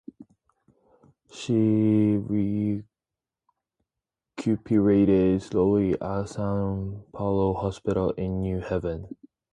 She recuperated slowly at San Raphael Hospital in New Haven.